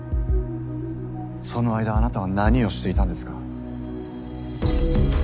その間あなたは何をしていたんですか？